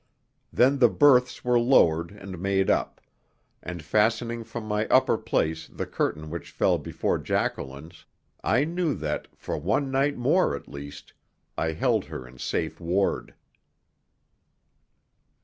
Then the berths were lowered and made up; and fastening from my upper place the curtain which fell before Jacqueline's, I knew that, for one night more, at least, I held her in safe ward.